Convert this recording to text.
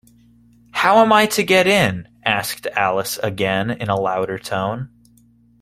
‘How am I to get in?’ asked Alice again, in a louder tone.